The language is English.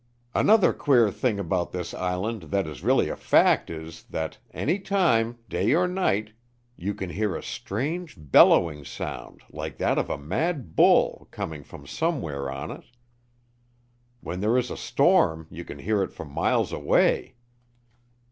Another queer thing about this island that is really a fact is, that any time, day or night, you can hear a strange, bellowing sound like that of a mad bull, coming from somewhere on it. When there is a storm you can hear it for miles away.